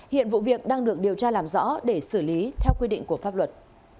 hiện vụ việc đang được điều tra làm rõ để xử lý theo quy định của pháp luật